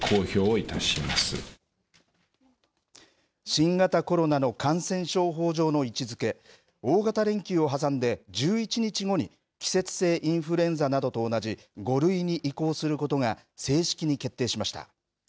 新型コロナの感染症法上の位置づけ大型連休を挟んで１１日後に季節性インフルエンザなどと同じ５類に移行することが正式に決定しました。